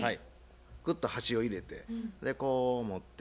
ぐっと箸を入れてこう持って。